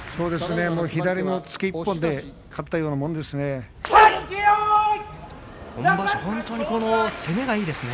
左の押っつけ１本で勝ったようなものですね。